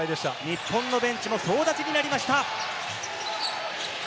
日本のベンチも総立ちになりました。